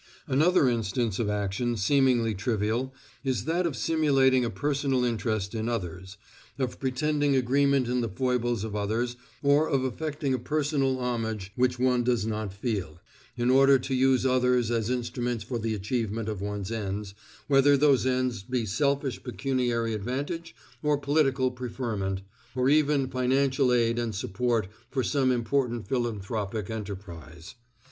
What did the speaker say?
Another instance of action seemingly trivial is that of simulating a personal interest in others, of pretending agreement in the foibles of others or of affecting a personal homage which one does not feel, in order to use others as instruments for the achievement of one's ends, whether those ends be selfish pecuniary advantage or political preferment, or even financial aid and support for some important philanthropic enterprise.